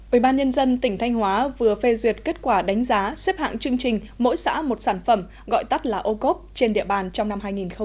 ủy ban nhân dân tỉnh thanh hóa vừa phê duyệt kết quả đánh giá xếp hạng chương trình mỗi xã một sản phẩm gọi tắt là ocob trên địa bàn trong năm hai nghìn một mươi chín